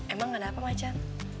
emang ada apa macan